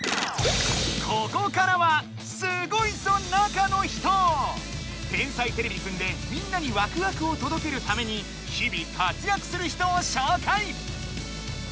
ここからは「天才てれびくん」でみんなにワクワクをとどけるために日々活やくする人をしょうかい！